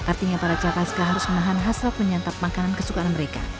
artinya para capaska harus menahan hasrat menyantap makanan kesukaan mereka